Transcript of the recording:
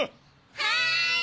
はい！